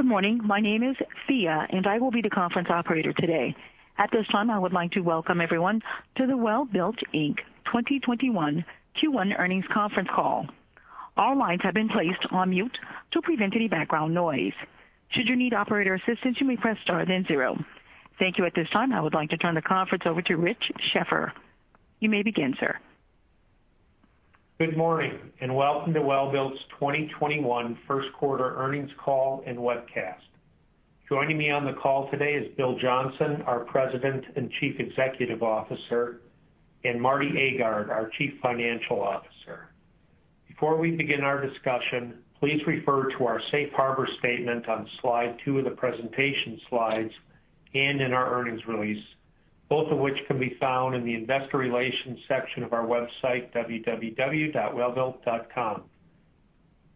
Good morning. My name is Thea, and I will be the conference operator today. At this time, I would like to welcome everyone to the Welbilt, Inc. 2021 Q1 earnings conference call. All lines have been placed on mute to prevent any background noise. Should you need operator assistance, you may press star, then zero. Thank you. At this time, I would like to turn the conference over to Rich Sheffer. You may begin, sir. Good morning, and welcome to Welbilt's 2021 first quarter earnings call and webcast. Joining me on the call today is Bill Johnson, our President and Chief Executive Officer, and Marty Agard, our Chief Financial Officer. Before we begin our discussion, please refer to our safe harbor statement on slide two of the presentation slides and in our earnings release, both of which can be found in the investor relations section of our website, www.welbilt.com.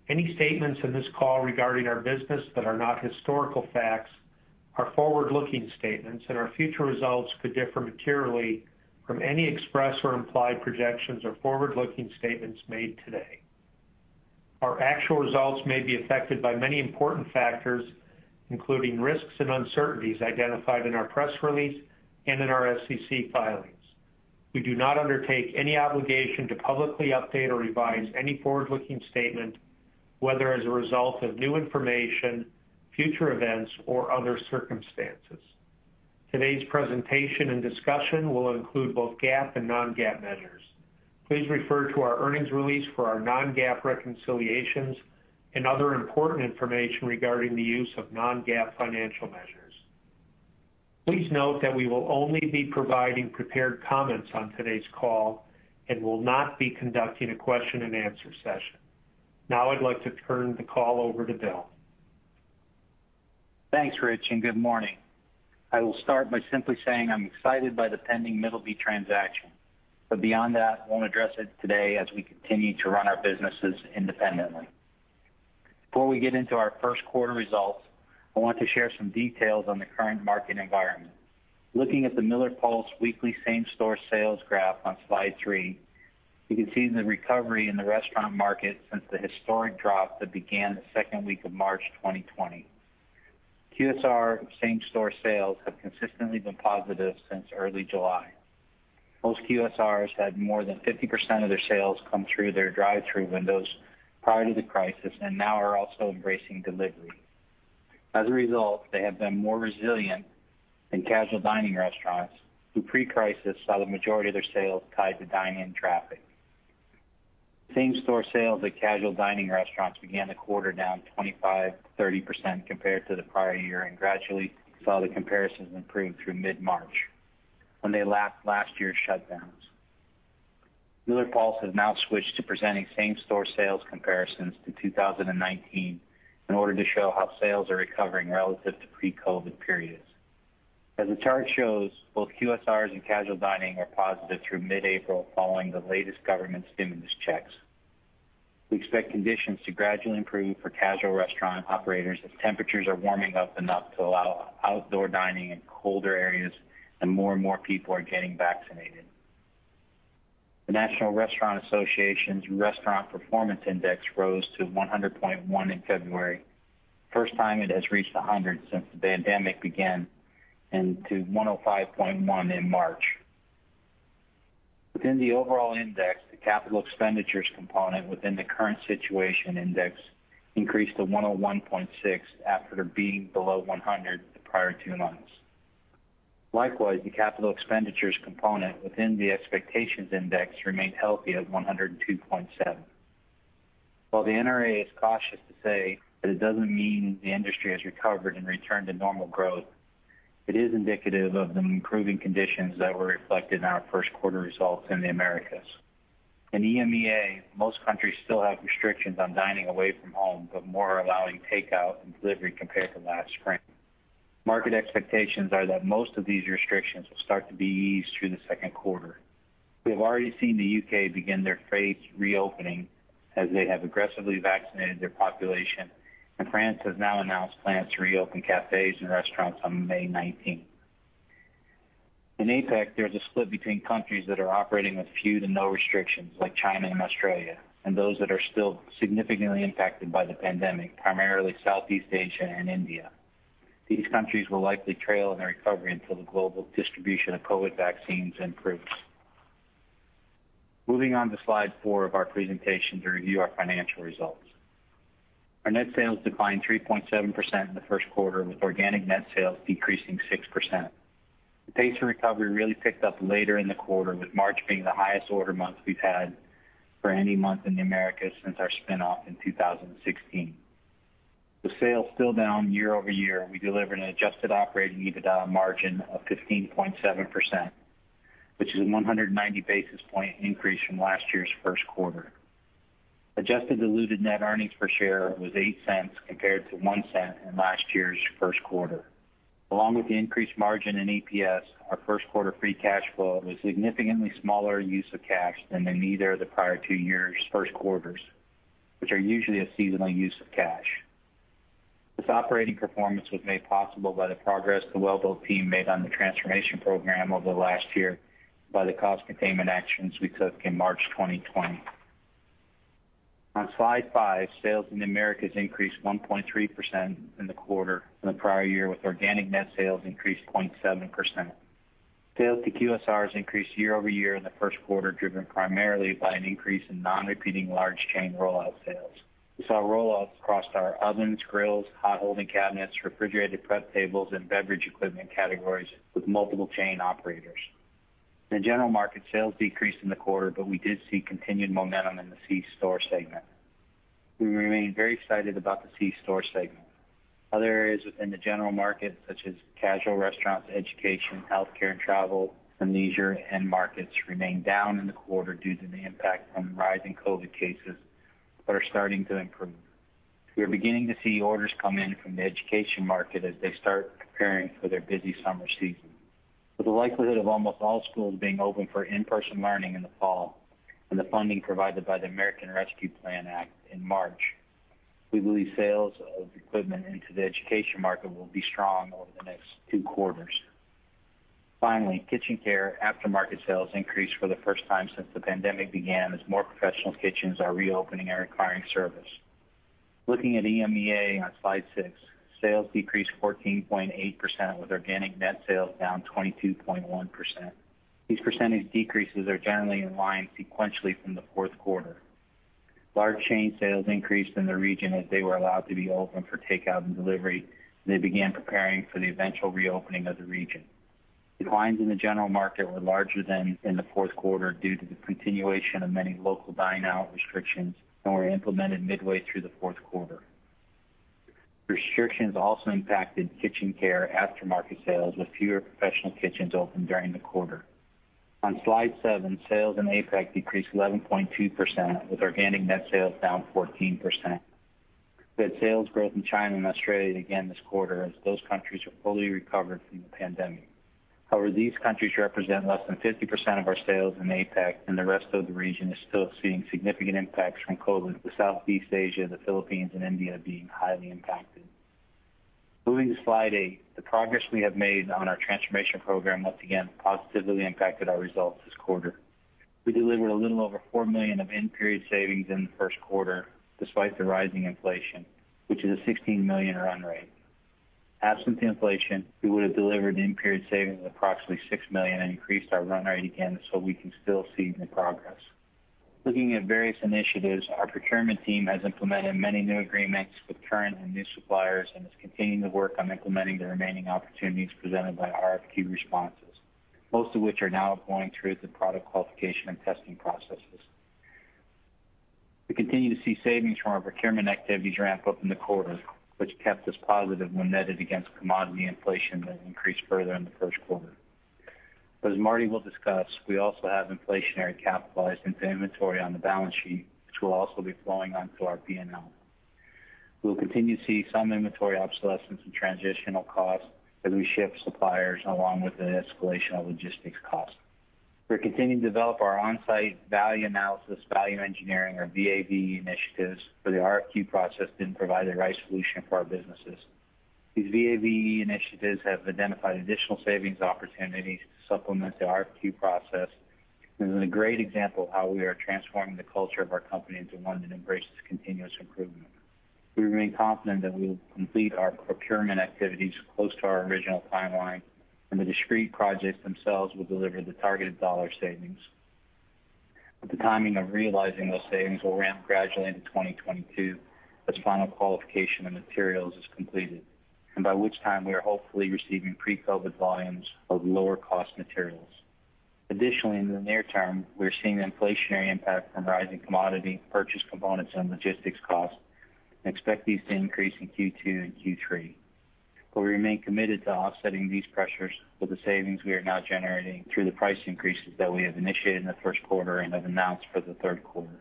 Any statements in this call regarding our business that are not historical facts are forward-looking statements, and our future results could differ materially from any express or implied projections or forward-looking statements made today. Our actual results may be affected by many important factors, including risks and uncertainties identified in our press release and in our SEC filings. We do not undertake any obligation to publicly update or revise any forward-looking statement, whether as a result of new information, future events, or other circumstances. Today's presentation and discussion will include both GAAP and non-GAAP measures. Please refer to our earnings release for our non-GAAP reconciliations and other important information regarding the use of non-GAAP financial measures. Please note that we will only be providing prepared comments on today's call and will not be conducting a question and answer session. Now I'd like to turn the call over to Bill. Thanks, Rich, and good morning. I will start by simply saying I'm excited by the pending Middleby transaction. But beyond that, won't address it today as we continue to run our businesses independently. Before we get into our first quarter results, I want to share some details on the current market environment. Looking at the MillerPulse weekly same-store sales graph on slide three, you can see the recovery in the restaurant market since the historic drop that began the second week of March 2020. QSR same-store sales have consistently been positive since early July. Most QSRs had more than 50% of their sales come through their drive-thru windows prior to the crisis and now are also embracing delivery. As a result, they have been more resilient than casual dining restaurants, who pre-crisis saw the majority of their sales tied to dine-in traffic. Same-store sales at casual dining restaurants began the quarter down 25% to 30% compared to the prior year and gradually saw the comparisons improve through mid-March when they lapped last year's shutdowns. MillerPulse has now switched to presenting same-store sales comparisons to 2019 in order to show how sales are recovering relative to pre-COVID periods. As the chart shows, both QSRs and casual dining are positive through mid-April, following the latest government stimulus checks. We expect conditions to gradually improve for casual restaurant operators as temperatures are warming up enough to allow outdoor dining in colder areas and more and more people are getting vaccinated. The National Restaurant Association's Restaurant Performance Index rose to 100.1 in February, first time it has reached 100 since the pandemic began, and to 105.1 in March. Within the overall index, the capital expenditures component within the current situation index increased to 101.6 after being below 100 the prior two months. Likewise, the capital expenditures component within the expectations index remained healthy at 102.7. While the NRA is cautious to say that it doesn't mean the industry has recovered and returned to normal growth, it is indicative of the improving conditions that were reflected in our first quarter results in the Americas. In EMEA, most countries still have restrictions on dining away from home, but more are allowing takeout and delivery compared to last spring. Market expectations are that most of these restrictions will start to be eased through the second quarter. We have already seen the U.K. begin their phased reopening as they have aggressively vaccinated their population, and France has now announced plans to reopen cafes and restaurants on May 19th. In APAC, there is a split between countries that are operating with few to no restrictions, like China and Australia, and those that are still significantly impacted by the pandemic, primarily Southeast Asia and India. These countries will likely trail in their recovery until the global distribution of COVID vaccines improves. Moving on to slide four of our presentation to review our financial results. Our net sales declined 3.7% in the first quarter, with organic net sales decreasing 6%. The pace of recovery really picked up later in the quarter, with March being the highest order month we've had for any month in the Americas since our spinoff in 2016. With sales still down year-over-year, we delivered an adjusted operating EBITDA margin of 15.7%, which is a 190 basis point increase from last year's first quarter. Adjusted diluted net earnings per share was $0.08 compared to $0.01 in last year's first quarter. Along with the increased margin in EPS, our first quarter free cash flow was significantly smaller use of cash than in either of the prior two years' first quarters, which are usually a seasonal use of cash. This operating performance was made possible by the progress the Welbilt team made on the transformation program over the last year by the cost containment actions we took in March 2020. On slide five, sales in the Americas increased 1.3% in the quarter from the prior year, with organic net sales increased 0.7%. Sales to QSRs increased year-over-year in the first quarter, driven primarily by an increase in non-repeating large chain rollout sales. We saw rollouts across our ovens, grills, hot holding cabinets, refrigerated prep tables, and beverage equipment categories with multiple chain operators. In the general market, sales decreased in the quarter, but we did see continued momentum in the C-store segment. We remain very excited about the C-store segment. Other areas within the general market, such as casual restaurants, education, healthcare, and travel, and leisure end markets remained down in the quarter due to the impact from rising COVID cases, but are starting to improve. We are beginning to see orders come in from the education market as they start preparing for their busy summer season. With the likelihood of almost all schools being open for in-person learning in the fall, and the funding provided by the American Rescue Plan Act in March, we believe sales of equipment into the education market will be strong over the next two quarters. KitchenCare aftermarket sales increased for the first time since the pandemic began as more professional kitchens are reopening and requiring service. Looking at EMEA on slide six, sales decreased 14.8%, with organic net sales down 22.1%. These percentage decreases are generally in line sequentially from the fourth quarter. Large chain sales increased in the region as they were allowed to be open for takeout and delivery. They began preparing for the eventual reopening of the region. Declines in the general market were larger than in the fourth quarter due to the continuation of many local dine-out restrictions that were implemented midway through the fourth quarter. Restrictions also impacted KitchenCare aftermarket sales, with fewer professional kitchens open during the quarter. Sales in APAC decreased 11.2%, with organic net sales down 14%.The sales brought in China and Australia again this quarter and it's close countries only recovered in the pandemic. These countries represent less than 50% of our sales in APAC, and the rest of the region is still seeing significant impacts from COVID, with Southeast Asia, the Philippines, and India being highly impacted. Moving to slide eight, the progress we have made on our transformation program once again positively impacted our results this quarter. We delivered a little over $4 million of in-period savings in the first quarter despite the rising inflation, which is a $16 million run rate. Absent the inflation, we would have delivered in-period savings of approximately $6 million and increased our run rate again, we can still see the progress. Looking at various initiatives, our procurement team has implemented many new agreements with current and new suppliers and is continuing to work on implementing the remaining opportunities presented by RFP responses, most of which are now going through the product qualification and testing processes. We continue to see savings from our procurement activities ramp up in the quarter, which kept us positive when netted against commodity inflation that increased further in the first quarter. As Marty will discuss, we also have inflationary capitalized inventory on the balance sheet, which will also be flowing onto our P&L. We will continue to see some inventory obsolescence and transitional costs as we shift suppliers, along with the escalation of logistics costs. We're continuing to develop our onsite value analysis, value engineering or VAVE initiatives for the RFQ process to provide the right solution for our businesses. These VAVE initiatives have identified additional savings opportunities to supplement the RFQ process, and is a great example of how we are transforming the culture of our company into one that embraces continuous improvement. The timing of realizing those savings will ramp gradually into 2022 as final qualification of materials is completed, and by which time we are hopefully receiving pre-COVID volumes of lower cost materials. Additionally, in the near term, we're seeing the inflationary impact from rising commodity purchase components and logistics costs, and expect these to increase in Q2 and Q3. We remain committed to offsetting these pressures with the savings we are now generating through the price increases that we have initiated in the first quarter and have announced for the third quarter.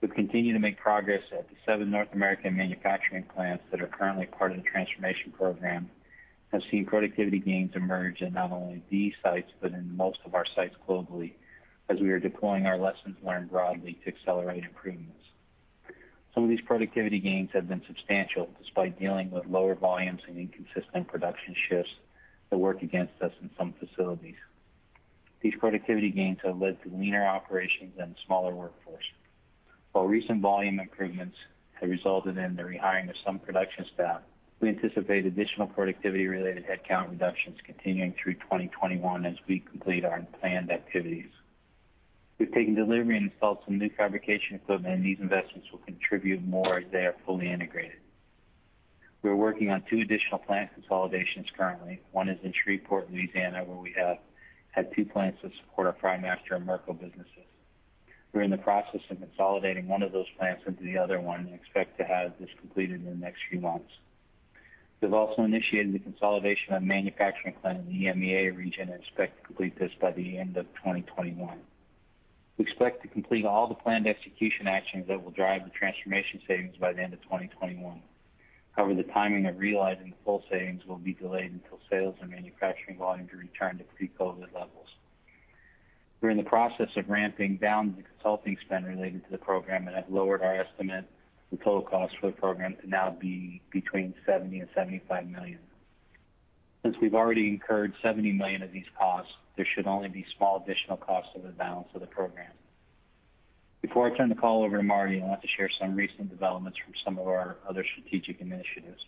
We continue to make progress at the seven North American manufacturing plants that are currently part of the transformation program, and have seen productivity gains emerge in not only these sites, but in most of our sites globally as we are deploying our lessons learned broadly to accelerate improvements. Some of these productivity gains have been substantial, despite dealing with lower volumes and inconsistent production shifts that work against us in some facilities. These productivity gains have led to leaner operations and a smaller workforce. While recent volume improvements have resulted in the rehiring of some production staff, we anticipate additional productivity-related headcount reductions continuing through 2021 as we complete our planned activities. We've taken delivery and installed some new fabrication equipment. These investments will contribute more as they are fully integrated. We are working on two additional plant consolidations currently. One is in Shreveport, Louisiana, where we have had two plants that support our Frymaster and Merco businesses. We're in the process of consolidating one of those plants into the other one. We expect to have this completed in the next few months. We've also initiated the consolidation of a manufacturing plant in the EMEA region. We expect to complete this by the end of 2021. We expect to complete all the planned execution actions that will drive the transformation savings by the end of 2021. However, the timing of realizing the full savings will be delayed until sales and manufacturing volumes return to pre-COVID levels. We're in the process of ramping down the consulting spend related to the program and have lowered our estimate of the total cost for the program to now be between $70 million and $75 million. Since we've already incurred $70 million of these costs, there should only be small additional costs for the balance of the program. Before I turn the call over to Marty, I want to share some recent developments from some of our other strategic initiatives.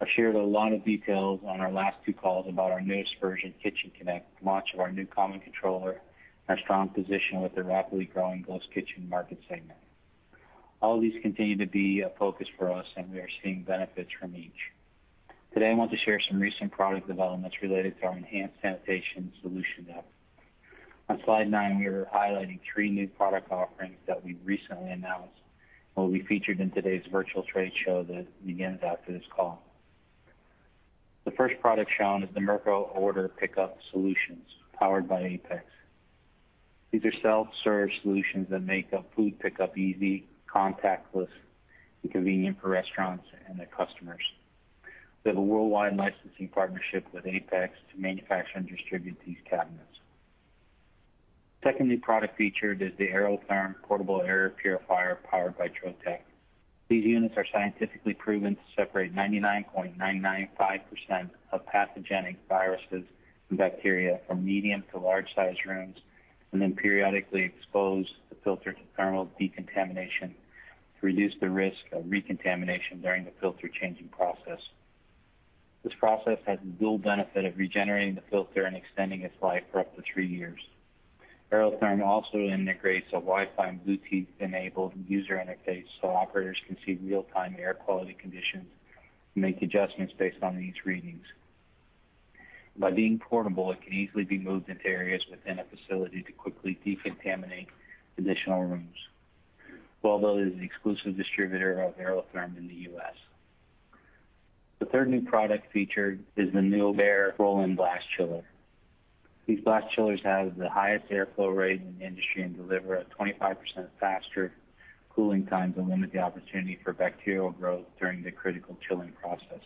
I've shared a lot of details on our last two calls about our newest version, KitchenConnect, launch of our new common controller, our strong position with the rapidly growing ghost kitchen market segment. All of these continue to be a focus for us, we are seeing benefits from each. Today, I want to share some recent product developments related to our enhanced sanitation solution deck. On slide nine, we are highlighting three new product offerings that we recently announced, will be featured in today's virtual trade show that begins after this call. The first product shown is the Merco Order Pickup Solutions powered by Apex. These are self-serve solutions that make food pickup easy, contactless, and convenient for restaurants and their customers. We have a worldwide licensing partnership with Apex to manufacture and distribute these cabinets. Second new product featured is the Aerotherm Portable Air Purifier powered by Trotec. These units are scientifically proven to separate 99.995% of pathogenic viruses and bacteria from medium to large size rooms, and then periodically expose the filter to thermal decontamination to reduce the risk of recontamination during the filter changing process. This process has the dual benefit of regenerating the filter and extending its life for up to three years. Aerotherm also integrates a Wi-Fi and Bluetooth-enabled user interface so operators can see real-time air quality conditions and make adjustments based on these readings. By being portable, it can easily be moved into areas within a facility to quickly decontaminate additional rooms. Welbilt is the exclusive distributor of Aerotherm in the U.S. The third new product featured is the Nuovair roll-in blast chiller. These blast chillers have the highest airflow rate in the industry and deliver a 25% faster cooling time to limit the opportunity for bacterial growth during the critical chilling process.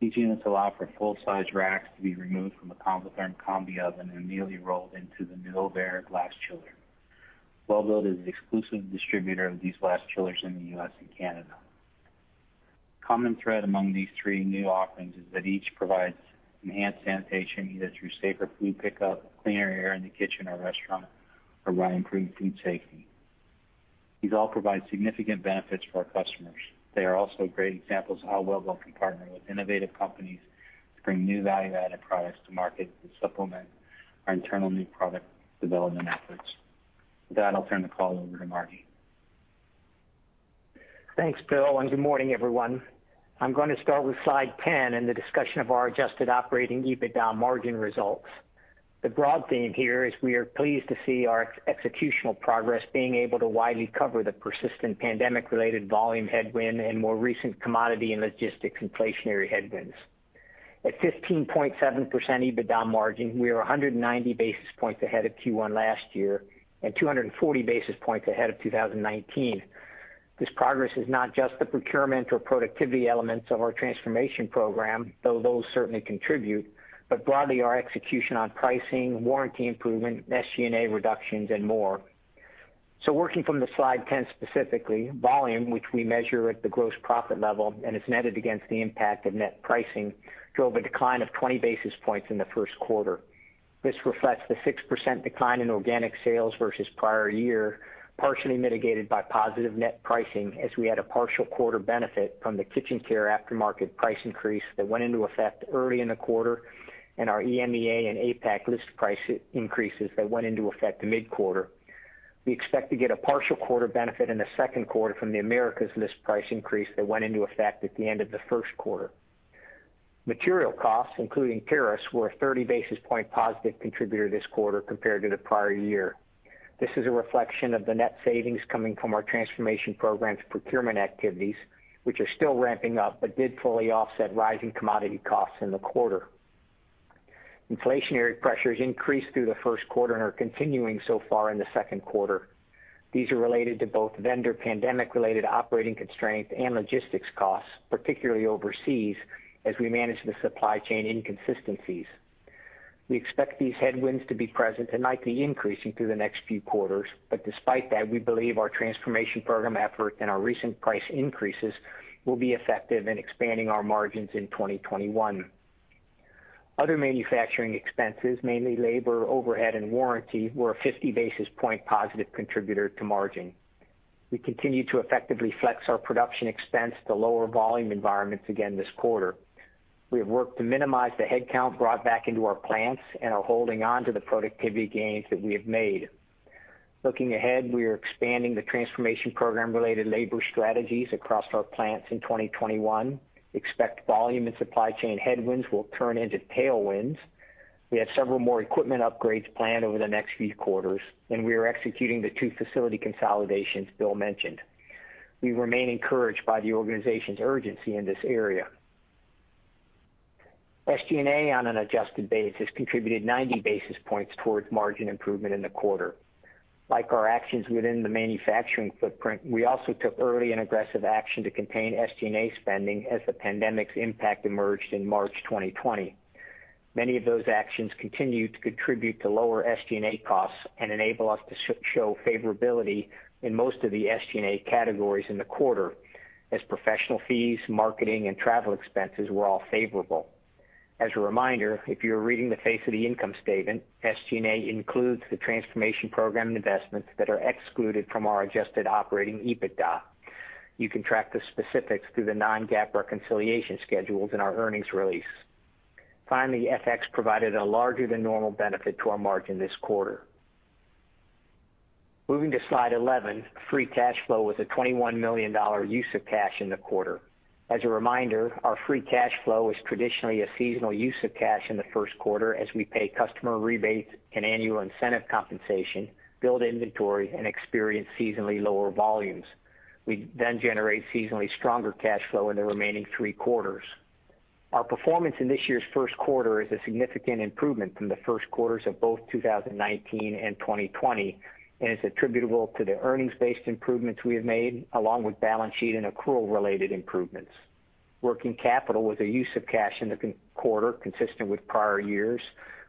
These units allow for full-size racks to be removed from the Convotherm combi oven and neatly rolled into the Nuovair blast chiller. Welbilt is the exclusive distributor of these blast chillers in the U.S. and Canada. Common thread among these three new offerings is that each provides enhanced sanitation, either through safer food pickup, cleaner air in the kitchen or restaurant, or by improved food safety. These all provide significant benefits for our customers. They are also great examples of how Welbilt can partner with innovative companies to bring new value-added products to market to supplement our internal new product development efforts. With that, I'll turn the call over to Marty. Thanks, Bill, good morning, everyone. I'm going to start with slide 10 and the discussion of our adjusted operating EBITDA margin results. The broad theme here is we are pleased to see our executional progress being able to widely cover the persistent pandemic-related volume headwind and more recent commodity and logistics inflationary headwinds. At 15.7% EBITDA margin, we are 190 basis points ahead of Q1 last year and 240 basis points ahead of 2019. This progress is not just the procurement or productivity elements of our transformation program, though those certainly contribute, but broadly our execution on pricing, warranty improvement, SG&A reductions, and more. So working from the slide 10 specifically, volume, which we measure at the gross profit level and is netted against the impact of net pricing, drove a decline of 20 basis points in the first quarter. This reflects the 6% decline in organic sales versus prior year, partially mitigated by positive net pricing as we had a partial quarter benefit from the KitchenCare aftermarket price increase that went into effect early in the quarter and our EMEA and APAC list price increases that went into effect mid-quarter. We expect to get a partial quarter benefit in the second quarter from the Americas list price increase that went into effect at the end of the first quarter. Material costs, including tariffs, were a 30 basis point positive contributor this quarter compared to the prior year. This is a reflection of the net savings coming from our transformation program's procurement activities, which are still ramping up but did fully offset rising commodity costs in the quarter. Inflationary pressures increased through the first quarter and are continuing so far in the second quarter. These are related to both vendor pandemic-related operating constraints and logistics costs, particularly overseas, as we manage the supply chain inconsistencies. We expect these headwinds to be present and likely increasing through the next few quarters. Despite that, we believe our transformation program effort and our recent price increases will be effective in expanding our margins in 2021. Other manufacturing expenses, mainly labor, overhead, and warranty, were a 50 basis point positive contributor to margin. We continue to effectively flex our production expense to lower volume environments again this quarter. We have worked to minimize the headcount brought back into our plants and are holding on to the productivity gains that we have made. Looking ahead, we are expanding the transformation program-related labor strategies across our plants in 2021, expect volume and supply chain headwinds will turn into tailwinds. We have several more equipment upgrades planned over the next few quarters, and we are executing the two facility consolidations Bill mentioned. We remain encouraged by the organization's urgency in this area. SG&A on an adjusted basis contributed 90 basis points towards margin improvement in the quarter. Like our actions within the manufacturing footprint, we also took early and aggressive action to contain SG&A spending as the pandemic's impact emerged in March 2020. Many of those actions continue to contribute to lower SG&A costs and enable us to show favorability in most of the SG&A categories in the quarter, as professional fees, marketing, and travel expenses were all favorable. As a reminder, if you're reading the face of the income statement, SG&A includes the transformation program and investments that are excluded from our adjusted operating EBITDA. You can track the specifics through the non-GAAP reconciliation schedules in our earnings release. FX provided a larger than normal benefit to our margin this quarter. Moving to slide 11, free cash flow was a $21 million use of cash in the quarter. As a reminder, our free cash flow is traditionally a seasonal use of cash in the first quarter as we pay customer rebates and annual incentive compensation, build inventory, and experience seasonally lower volumes. We generate seasonally stronger cash flow in the remaining three quarters. Our performance in this year's first quarter is a significant improvement from the first quarters of both 2019 and 2020, is attributable to the earnings-based improvements we have made, along with balance sheet and accrual-related improvements. Working capital was a use of cash in the quarter consistent with prior years,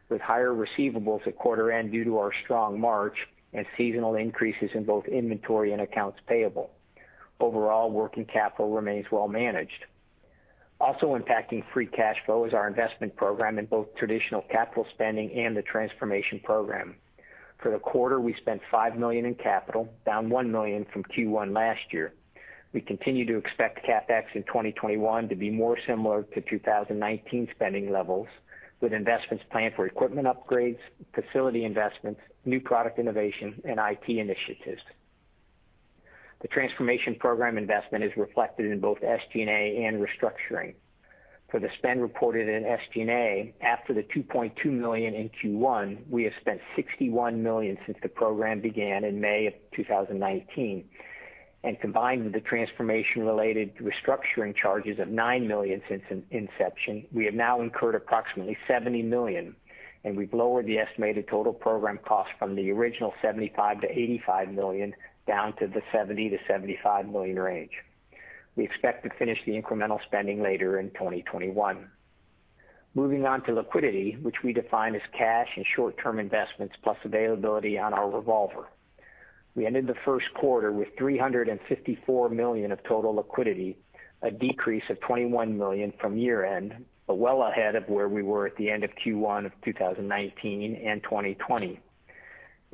with higher receivables at quarter end due to our strong March and seasonal increases in both inventory and accounts payable. Overall, working capital remains well managed. Also impacting free cash flow is our investment program in both traditional capital spending and the Transformation Program. For the quarter, we spent $5 million in capital, down $1 million from Q1 last year. We continue to expect CapEx in 2021 to be more similar to 2019 spending levels, with investments planned for equipment upgrades, facility investments, new product innovation, and IT initiatives. The Transformation Program investment is reflected in both SG&A and restructuring. For the spend reported in SG&A, after the $2.2 million in Q1, we have spent $61 million since the program began in May of 2019. Combined with the transformation-related restructuring charges of $9 million since inception, we have now incurred approximately $70 million, and we've lowered the estimated total program cost from the original $75 - 85 million down to the $70 - 75 million range. We expect to finish the incremental spending later in 2021. Moving on to liquidity, which we define as cash and short-term investments plus availability on our revolver. We ended the first quarter with $354 million of total liquidity, a decrease of $21 million from year-end, but well ahead of where we were at the end of Q1 of 2019 and 2020.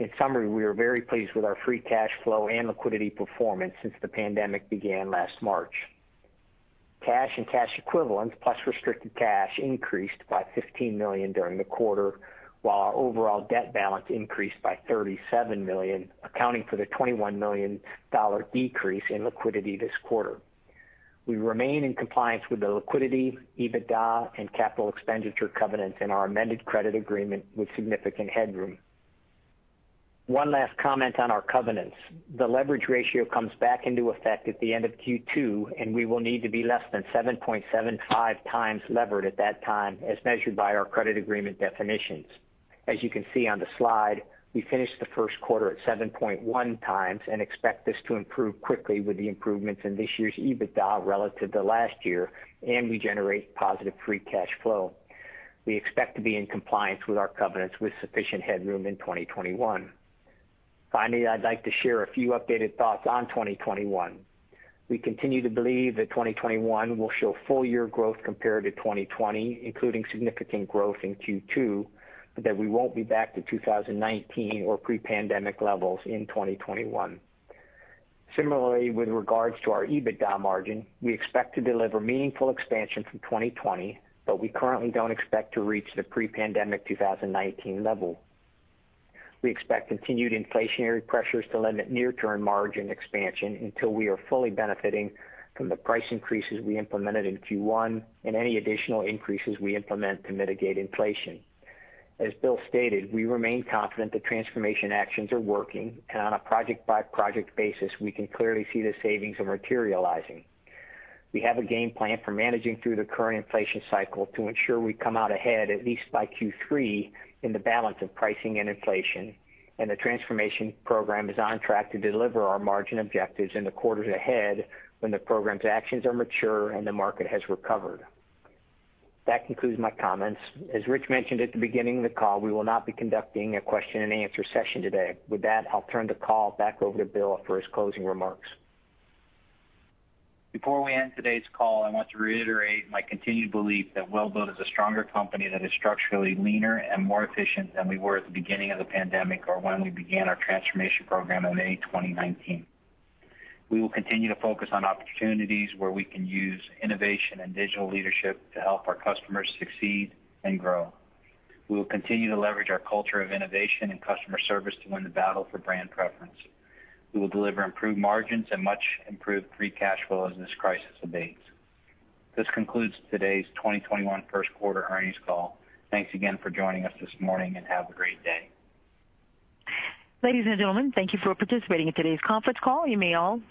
In summary, we are very pleased with our free cash flow and liquidity performance since the pandemic began last March. Cash and cash equivalents plus restricted cash increased by $15 million during the quarter, while our overall debt balance increased by $37 million, accounting for the $21 million decrease in liquidity this quarter. We remain in compliance with the liquidity, EBITDA, and capital expenditure covenants in our amended credit agreement with significant headroom. One last comment on our covenants. The leverage ratio comes back into effect at the end of Q2, and we will need to be less than 7.75x levered at that time, as measured by our credit agreement definitions. As you can see on the slide, we finished the first quarter at 7.1x and expect this to improve quickly with the improvements in this year's EBITDA relative to last year, and we generate positive free cash flow. We expect to be in compliance with our covenants with sufficient headroom in 2021. Finally, I'd like to share a few updated thoughts on 2021. We continue to believe that 2021 will show full-year growth compared to 2020, including significant growth in Q2, but that we won't be back to 2019 or pre-pandemic levels in 2021. Similarly, with regards to our EBITDA margin, we expect to deliver meaningful expansion from 2020, but we currently don't expect to reach the pre-pandemic 2019 level. We expect continued inflationary pressures to limit near-term margin expansion until we are fully benefiting from the price increases we implemented in Q1 and any additional increases we implement to mitigate inflation. As Bill stated, we remain confident the transformation actions are working, and on a project-by-project basis, we can clearly see the savings are materializing. We have a game plan for managing through the current inflation cycle to ensure we come out ahead at least by Q3 in the balance of pricing and inflation, and the transformation program is on track to deliver our margin objectives in the quarters ahead when the program's actions are mature and the market has recovered. That concludes my comments. As Rich mentioned at the beginning of the call, we will not be conducting a question-and-answer session today. With that, I'll turn the call back over to Bill for his closing remarks. Before we end today's call, I want to reiterate my continued belief that Welbilt is a stronger company that is structurally leaner and more efficient than we were at the beginning of the pandemic or when we began our transformation program in May 2019. We will continue to focus on opportunities where we can use innovation and digital leadership to help our customers succeed and grow. We will continue to leverage our culture of innovation and customer service to win the battle for brand preference. We will deliver improved margins and much improved free cash flow as this crisis abates. This concludes today's 2021 first quarter earnings call. Thanks again for joining us this morning, and have a great day. Ladies and gentlemen, thank you for participating in today's conference call. You may all disconnect.